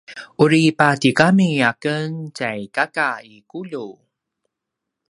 uri patigami a ken tjay kaka i Kuliu